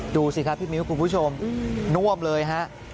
ดูสิครับพี่มิ้วคุณผู้ชมน่วมเลยฮะ